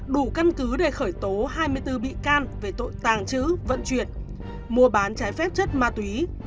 đủ căn cứ để khởi tố hai mươi bốn bị can về tội tàng trữ vận chuyển mua bán trái phép chất ma túy